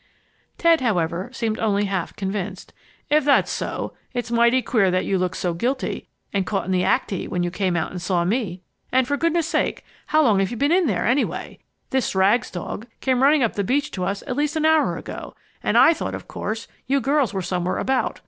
Ted, however, seemed only half convinced. "If that's so, it's mighty queer that you looked so guilty and caught in the act y when you came out and saw me! And for goodness sake, how long have you been in there, anyway? This Rags dog came running up the beach to us at least an hour ago. And I thought, of course, you girls were somewhere about.